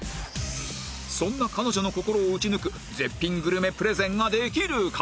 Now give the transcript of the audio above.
そんな彼女の心を撃ち抜く絶品グルメプレゼンができるか？